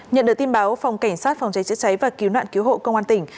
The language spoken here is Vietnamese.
nhận được tin báo phòng cảnh sát phòng cháy chữa cháy và cứu nạn cứu hộ công an tỉnh